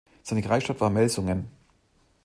Seine Kreisstadt war Melsungen.